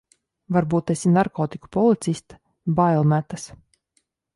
Varbūt esi narkotiku policiste, bail metas.